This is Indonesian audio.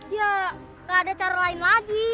ya gak ada cara lain lagi